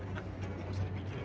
semoga semoga membuat depan